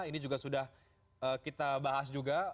ini juga sudah kita bahas juga